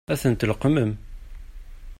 Ad tent-tleqqmem?